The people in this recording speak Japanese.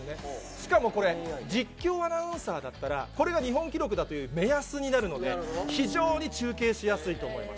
しかもこれ、実況アナウンサーだったら、これが日本記録だという目安になるので、非常に中継しやすいと思います。